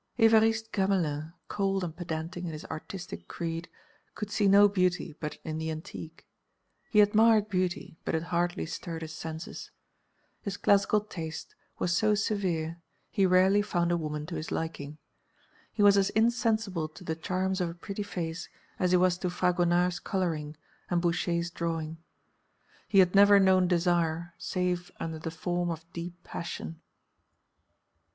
Évariste Gamelin, cold and pedantic in his artistic creed, could see no beauty but in the Antique; he admired beauty, but it hardly stirred his senses. His classical taste was so severe he rarely found a woman to his liking; he was as insensible to the charms of a pretty face as he was to Fragonard's colouring and Boucher's drawing. He had never known desire save under the form of deep passion.